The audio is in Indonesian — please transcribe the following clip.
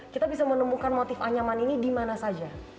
kita bisa menemukan motif anyaman ini di mana saja